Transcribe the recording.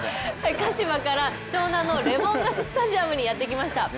鹿島から湘南のレモンガススタジアムにやってきました。